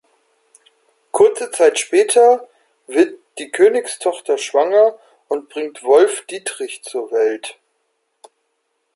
Kurze Zeit später wird die Königstochter schwanger und bringt Wolfdietrich zu Welt.